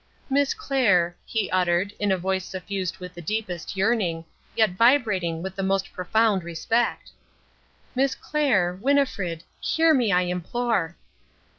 "Miss Clair," he uttered, in a voice suffused with the deepest yearning, yet vibrating with the most profound respect, "Miss Clair Winnifred hear me, I implore!"